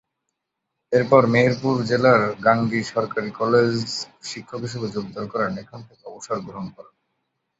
এরপরে মেহেরপুর জেলার গাংনী সরকারি কলেজ শিক্ষক হিসাবে যোগদান করেন, এখানে থেকেও অবসর গ্রহণ করেন।